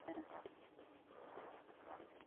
ناک کے بھی قریب آتی ہیں